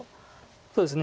そうですね。